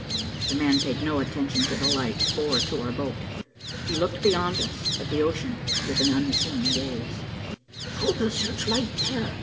The man paid no attention to the light or to our boat. He looked beyond us, at the ocean, with an unseeing gaze. "Hold the search light there!"